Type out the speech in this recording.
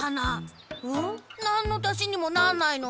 なんのたしにもなんないのに。